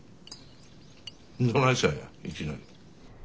どないしたんやいきなり。